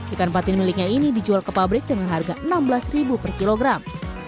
ikan patin miliknya ini dijual ke pabrik dengan harga rp enam belas per kilogram